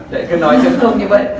đợi cứ nói chứng không như vậy